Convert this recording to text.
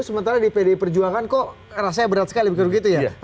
sementara di pdi perjuangan kok rasanya berat sekali begitu ya